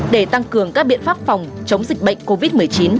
để tăng cường các biện pháp phòng chống dịch bệnh covid một mươi chín